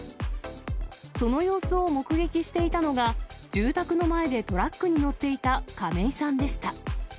その様子を目撃していたのが、住宅の前でトラックに乗っていた亀井さんでした。